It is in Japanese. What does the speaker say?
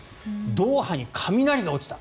ドーハに雷が落ちた。